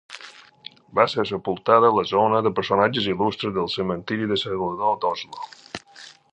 Va ser sepultada a la zona de personatges il·lustres del Cementiri del Salvador d'Oslo.